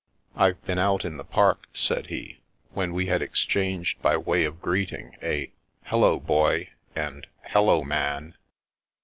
" I've been out in the park," said he, when we had exchanged by way of greeting a " Hello, Boy " and " Hello, Man."